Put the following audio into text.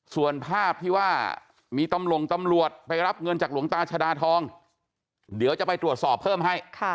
ส่วนภาพที่ว่ามีตำรวจไปรับเงินจากหลวงตาชดาทองเดี๋ยวจะไปตรวจสอบเพิ่มให้